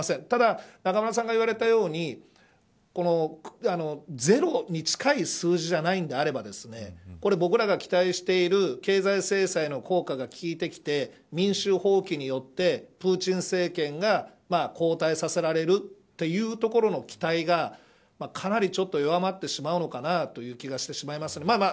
ただ、中村さんが言われたようにゼロに近い数字じゃないのであれば僕らが期待している経済制裁の効果がきいてきて民衆ほう起によってプーチン政権が交代させられるというところの期待がかなり弱まってしまうのかなという気がしてしまいます。